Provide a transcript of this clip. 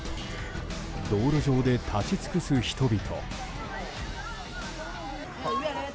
道路上で立ち尽くす人々。